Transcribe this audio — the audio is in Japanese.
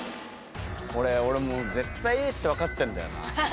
これ俺もう絶対Ａって分かってんだよな。